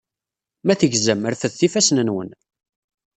Ma tegzam, refdet ifassen-nwen.